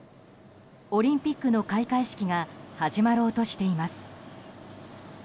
オリンピックの開会式が始まろうとしています。